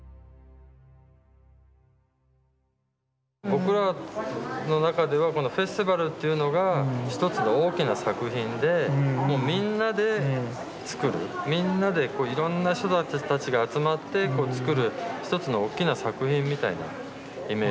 僕らの中ではこのフェスティバルというのが一つの大きな作品でもうみんなで作るみんなでいろんな人たちが集まって作る一つのおっきな作品みたいなイメージなんですよね。